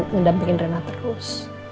mendampingin rena terus